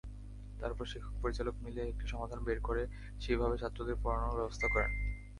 তারপর শিক্ষক-পরিচালক মিলে একটি সমাধান বের করে সেইভাবে ছাত্রদের পড়ানোর ব্যবস্থা করেন।